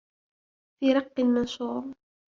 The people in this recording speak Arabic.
فِي رَقٍّ مَنْشُورٍ